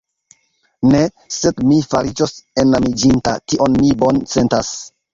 Ne, sed mi fariĝos enamiĝinta; tion mi bone sentas.